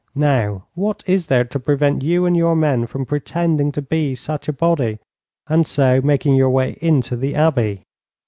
Now, what is there to prevent you and your men from pretending to be such a body, and so making your way into the Abbey?'